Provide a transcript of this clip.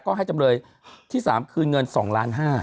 ก็ให้จำเลยที่๓คืนเงิน๒๕๐๐๐๐๐บาท